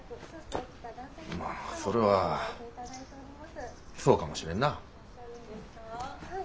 まあそれはそうかもしれんな。